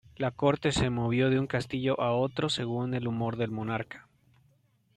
La corte se movió de un castillo a otro según el humor del monarca.